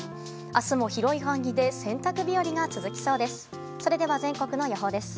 明日も広い範囲で洗濯日和が続きそうです。